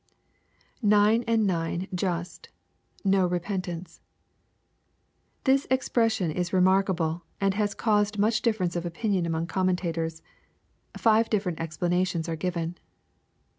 [Ninety and nine just..,no repentance^ This expression is remark able, and has caused much difference of opinion among commen tators. Five different explanations are given.